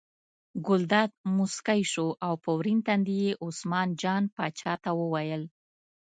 ګلداد موسکی شو او په ورین تندي یې عثمان جان پاچا ته وویل.